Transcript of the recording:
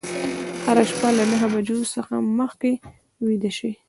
هره شپه له نهه بجو څخه مخکې ویده شئ.